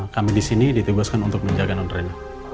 kami di sini ditugaskan untuk menjaga nonrena